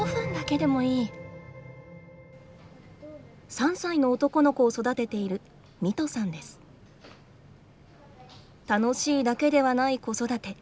３歳の男の子を育てている楽しいだけではない子育て。